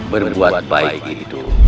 berbuat baik itu